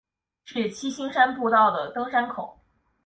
是七星山步道的登山口。